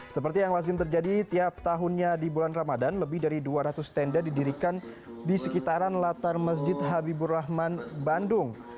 seperti yang lazim terjadi tiap tahunnya di bulan ramadan lebih dari dua ratus tenda didirikan di sekitaran latar masjid habibur rahman bandung